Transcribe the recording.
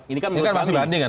ini kan bukan banding kan